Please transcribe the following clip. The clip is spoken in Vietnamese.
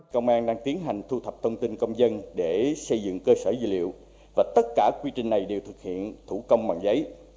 công an đang tiến hành thu thập thông tin công dân để xây dựng cơ sở dữ liệu và tất cả quy trình này đều thực hiện thủ công bằng giấy